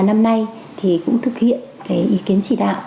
năm nay thì cũng thực hiện cái ý kiến chỉ đạo